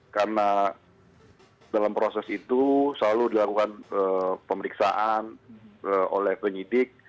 karena dalam proses itu selalu dilakukan pemeriksaan oleh penyidik